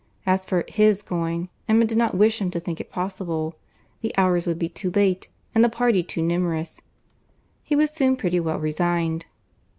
As for his going, Emma did not wish him to think it possible, the hours would be too late, and the party too numerous. He was soon pretty well resigned.